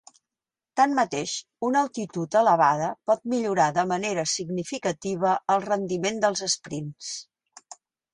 Tanmateix, una altitud elevada pot millorar de manera significativa el rendiment dels esprints.